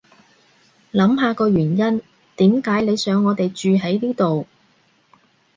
諗下個原因點解你想我哋住喺呢度